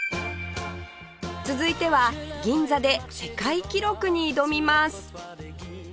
続いては銀座で世界記録に挑みます